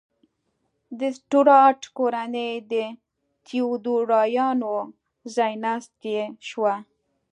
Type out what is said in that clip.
د سټورات کورنۍ د تیودوریانو ځایناستې شوه.